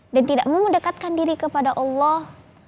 dan tidak memudekatkan diri kepada allah